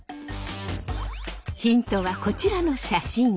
ヒントはこちらの写真。